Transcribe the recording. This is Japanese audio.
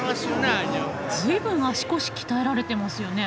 随分足腰鍛えられてますよね。